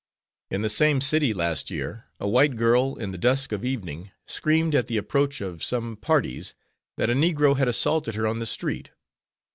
In the same city last year a white girl in the dusk of evening screamed at the approach of some parties that a Negro had assaulted her on the street.